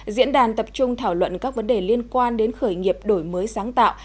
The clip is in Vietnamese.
diễn đàn tập trung thảo luận các vấn đề liên quan đến khởi nghiệp đổi mới sáng tạo